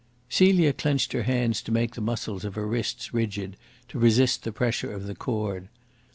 Celia clenched her hands to make the muscles of her wrists rigid to resist the pressure of the cord.